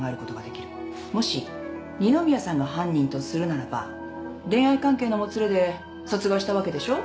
もし二宮さんが犯人とするならば恋愛関係のもつれで殺害したわけでしょ？